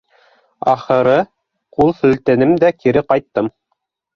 Ахыры, ҡул һелтәнем дә кире ҡайттым